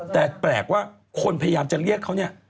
แต่แปลกว่าคนพยายามจะเรียกเขาเนี่ย